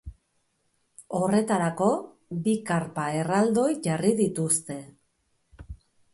Horretarako bi karpa erraldoi jarri dituzte.